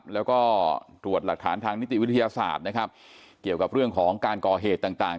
แล้วก็ตรวจหลักฐานทางนิติวิทยาศาสตร์นะครับเกี่ยวกับเรื่องของการก่อเหตุต่างต่าง